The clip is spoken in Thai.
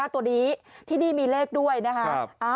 ตัวนี้ที่นี่มีเลขด้วยนะคะ